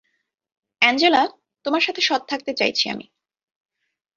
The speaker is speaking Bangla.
অ্যাঞ্জেলা, তোমার সাথে সৎ থাকতে চাইছি আমি।